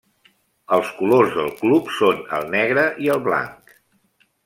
Els colors del club són el negre i el blanc.